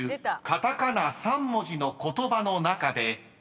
カタカナ３文字の言葉の中で］